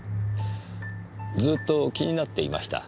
ずっと気になっていました。